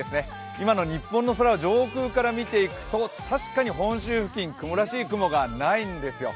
今の日本の空を上空から見ていくと確かに本州付近、雲らしい雲がないんですよ。